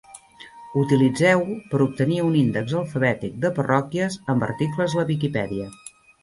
Utilitzeu-ho per obtenir un índex alfabètic de parròquies amb articles a la Viquipèdia.